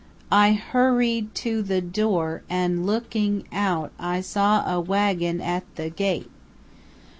"I hurried to the door, and, look ing out, I saw a wagon at the gate.